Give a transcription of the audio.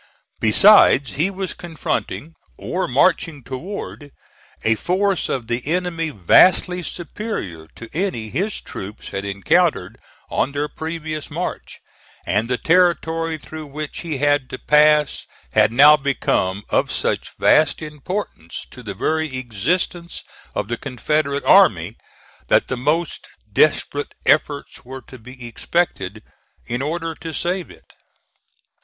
Besides, he was confronting, or marching toward, a force of the enemy vastly superior to any his troops had encountered on their previous march; and the territory through which he had to pass had now become of such vast importance to the very existence of the Confederate army, that the most desperate efforts were to be expected in order to save it.